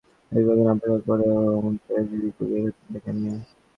কিন্তু গাড়িচালক সেখানে গিয়ে দীর্ঘক্ষণ অপেক্ষা করেও তেহজীবকে বের হতে দেখেননি।